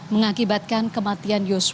mengakibatkan kematian yusuf